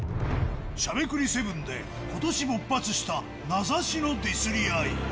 しゃべくり００７で、ことしぼっ発した名指しのディスり合い。